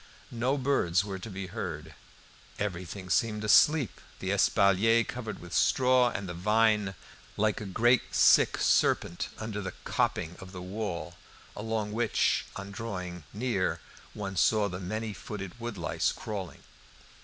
No birds were to be heard; everything seemed asleep, the espalier covered with straw, and the vine, like a great sick serpent under the coping of the wall, along which, on drawing near, one saw the many footed woodlice crawling.